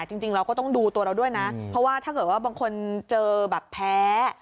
จริงเราก็ต้องดูตัวเราด้วยนะเพราะว่าถ้าเกิดว่าบางคนเจอแบบแพ้